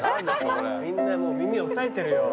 みんなもう耳を押さえてるよ。